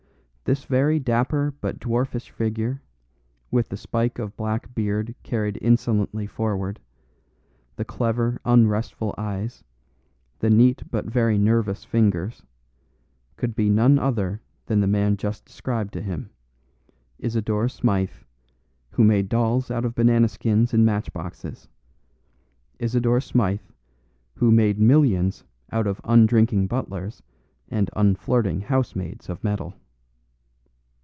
This very dapper but dwarfish figure, with the spike of black beard carried insolently forward, the clever unrestful eyes, the neat but very nervous fingers, could be none other than the man just described to him: Isidore Smythe, who made dolls out of banana skins and match boxes; Isidore Smythe, who made millions out of undrinking butlers and unflirting housemaids of metal.